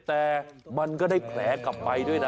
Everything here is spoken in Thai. แต่มันก็ได้แผลกลับไปด้วยนะ